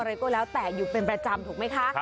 อะไรก็แล้วแต่อยู่เป็นประจำถูกไหมคะ